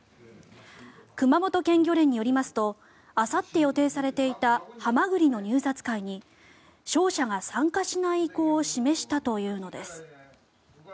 熊本県漁連によりますとあさって予定されていたハマグリの入札会に商社が参加しない意向を示したというのです。